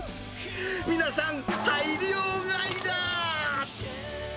皆さん、大量買いだ。